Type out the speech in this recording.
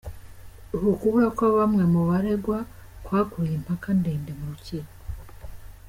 Uku kubura kwa bamwe mu baregwa kwakuruye impaka ndende mu rukiko.